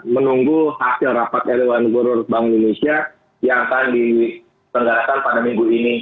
menunggu hasil rapat r satu guru bank indonesia yang akan dipengaruhkan pada minggu ini